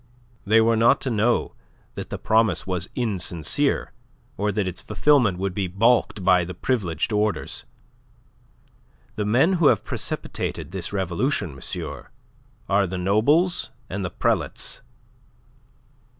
They were not to know that the promise was insincere, or that its fulfilment would be baulked by the privileged orders. The men who have precipitated this revolution, monsieur, are the nobles and the prelates."